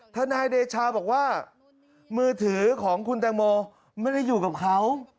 ทนายเดชาบอกว่ามือถือของคุณแตงโมไม่ได้อยู่กับเขา